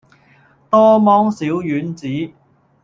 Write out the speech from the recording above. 多芒小丸子